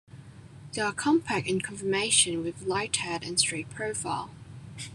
They are compact in conformation with a light head and straight profile.